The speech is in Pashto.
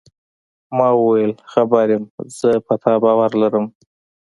ما وویل: خبر یم، زه پر تا باور لرم.